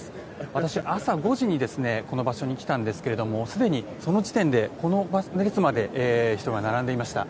私、朝５時にこの場所に来たんですがすでにその時点でここの位置まで列が並んでいました。